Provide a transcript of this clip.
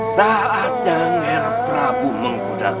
saatnya ngerep rabu mengkudakan